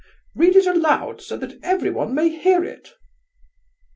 —"Read it aloud, so that everyone may hear it!"